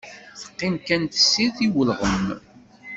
Teqqim kan tessirt i ulɣem.